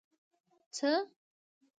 څه